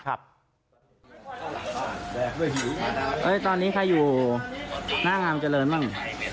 ตอนนี้ใครอยู่หน้างามเจริญบ้าง